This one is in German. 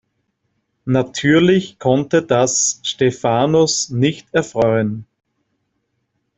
Natürlich konnte das Stephanos nicht erfreuen.